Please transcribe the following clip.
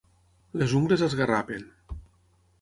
Les ungles esgarrapen.